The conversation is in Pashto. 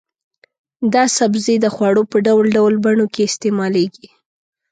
دا سبزی د خوړو په ډول ډول بڼو کې استعمالېږي.